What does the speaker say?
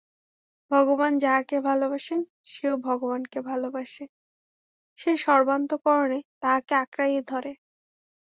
ভগবান যাহাকে ভালবাসেন, সেও ভগবানকে ভালবাসে, সে সর্বান্তঃকরণে তাঁহাকে আঁকড়াইয়া ধরে।